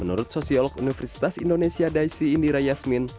menurut sosiolog universitas indonesia daisy indira yasmin